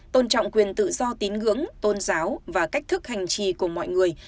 tôn trọng quyền tự do tín ngưỡng tôn giáo và cách thức hành trì của mọi người